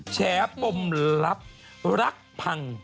แชร์ปมรับรักผัง